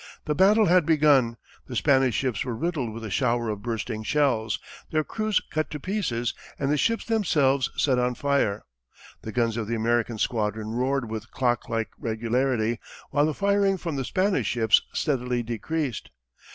The battle had begun, the Spanish ships were riddled with a shower of bursting shells, their crews cut to pieces, and the ships themselves set on fire. The guns of the American squadron roared with clocklike regularity, while the firing from the Spanish ships steadily decreased.